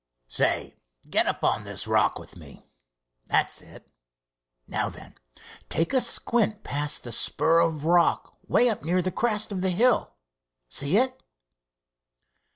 "Say, get up on this rock with me. That's it. Now then, take a squint past the spur of rock way up near the crest of the hill. See it?"